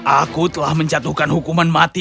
aku telah menjatuhkan hukuman mati